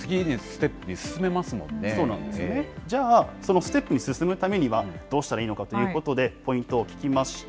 じゃあ、そのステップに進むためには、どうしたらいいのかということでポイントを聞きました。